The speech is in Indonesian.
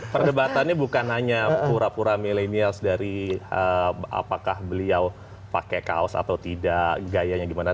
perdebatannya bukan hanya pura pura milenials dari apakah beliau pakai kaos atau tidak gayanya gimana